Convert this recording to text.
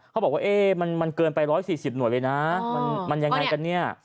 เขาบอกว่ามันเกินไป๑๔๐หน่วยเลยนะมันยังไงกันเนี่ย